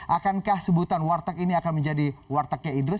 akankah sebutan warteg ini akan menjadi wartegnya idrus